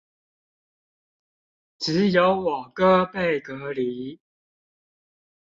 只有我哥被隔離